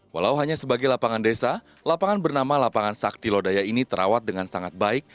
walau hanya sebagai lapangan desa lapangan bernama lapangan sakti lodaya ini terawat dengan sangat baik